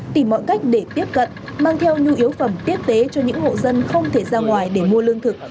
tìm mọi cách để tiếp cận mang theo nhu yếu phẩm tiếp tế cho những hộ dân không thể ra ngoài để mua lương thực